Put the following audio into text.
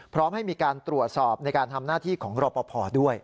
พร้อมให้มีการตรวจสอบในการทำหน้าที่ของรอปภด้วย